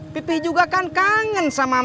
pipi juga kan kangen sama mimi